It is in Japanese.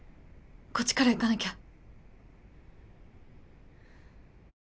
こっちからいかなきゃ。